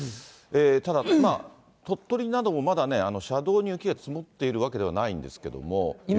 ただ、鳥取などもまだね、車道に雪が積もっているわけではないんですけれども。